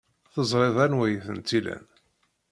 Teẓriḍ anwa ay tent-ilan.